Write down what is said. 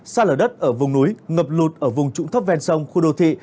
xa lở đất ở vùng núi ngập lụt ở vùng trũng thấp ven sông khu đô thị